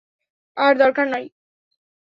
আর দরকার নেই।